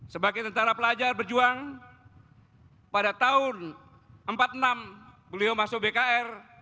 sebagai tentara pelajar berjuang pada tahun seribu sembilan ratus empat puluh enam beliau masuk bkr